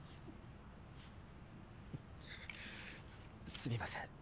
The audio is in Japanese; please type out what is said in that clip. すみません